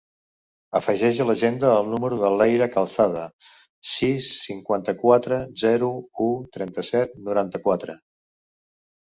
Afegeix a l'agenda el número de l'Eyra Calzada: sis, cinquanta-quatre, zero, u, trenta-set, noranta-quatre.